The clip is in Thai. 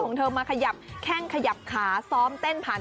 อ่ะธรรมกำลังก็คือตอนนี้เริ่มแข่ง